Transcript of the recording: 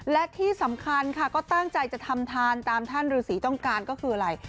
และที่สำคัญค่ะก็ตั้งใจจะทำทานตามท่านฤษีต้องการก็คืออะไร